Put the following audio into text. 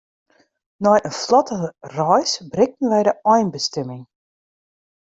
Nei in flotte reis berikten wy de einbestimming.